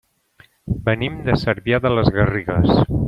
Venim de Cervià de les Garrigues.